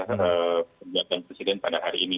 pernyataan presiden pada hari ini